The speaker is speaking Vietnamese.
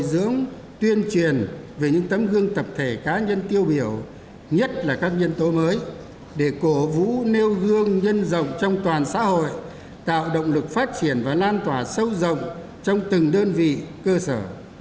tăng cường công tác phát hiện bồi dưỡng tuyên truyền về những tấm gương tập thể cá nhân tiêu biểu nhất là các nhân tố mới để cổ vũ nêu gương nhân rộng trong toàn xã hội tạo động lực phát triển và lan tỏa sâu rộng trong từng đơn vị cơ sở